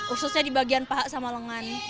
ususnya di bagian paha sama lengan